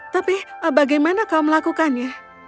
tapi bagaimana kau melakukannya